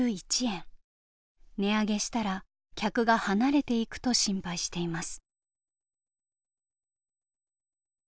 値上げしたら客が離れていくと心配しています。